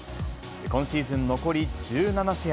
今シーズン残り１７試合。